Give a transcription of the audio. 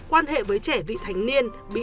quan hệ với trẻ vị thành niên bị